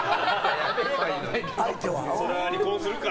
それは離婚するか。